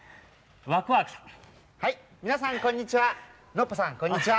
ノッポさんこんにちは。